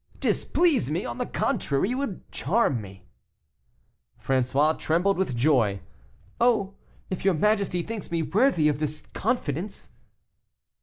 "Displease me! On the contrary, it would charm me." François trembled with joy. "Oh! if your majesty thinks me worthy of this confidence."